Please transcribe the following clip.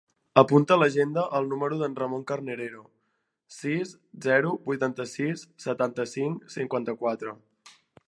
Apunta a l'agenda el número del Ramon Carnerero: sis, zero, vuitanta-sis, setanta-cinc, cinquanta-quatre.